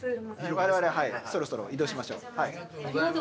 我々ははいそろそろ移動しましょう。